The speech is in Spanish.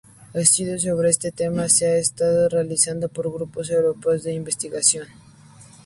Estudios sobre este tema se han estado realizando por grupos europeos de investigación.